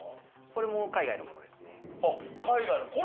これも海外のものですね。